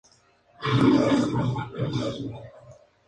Duerme durante el día, usualmente junto a árboles caídos o arbustos espesos.